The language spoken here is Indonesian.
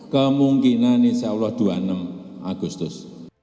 kemungkinan insyaallah dua puluh enam agustus